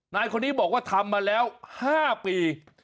นายคนนี้บอกว่าทำมาแล้ว๕ปี